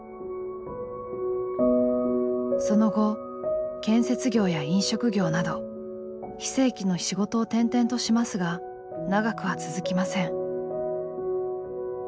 その後建設業や飲食業など非正規の仕事を転々としますが長くは続きません。